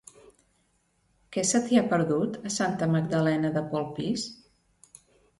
Què se t'hi ha perdut, a Santa Magdalena de Polpís?